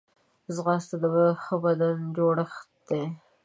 ځغاسته د ښه بدن جوړښت دی